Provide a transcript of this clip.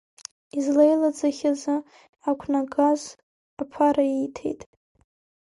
Излеилаӡахьазы ақәнагаз аԥара ииҭеит.